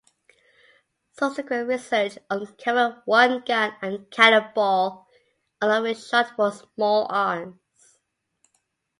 Subsequent research uncovered one gun and cannonball, along with shot for small arms.